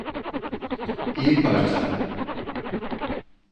İyi parça.